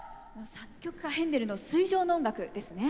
作曲家ヘンデルの「水上の音楽」ですね。